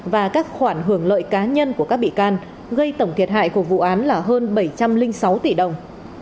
và các khoản hưởng lợi cá nhân của các bị can gây tổng thiệt hại của vụ án là hơn bảy trăm linh sáu tỷ đồng